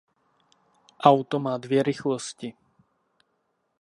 Auto má dvě rychlosti.